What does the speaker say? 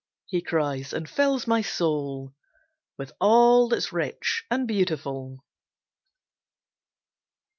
he cries, and fills my soul With all that's rich and beautiful.